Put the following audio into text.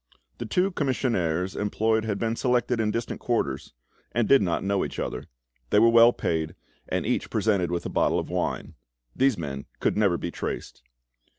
The two commissionaires employed had been selected in distant quarters, and did not know each other. They were well paid, and each presented with a bottle of wine. These men could never be traced.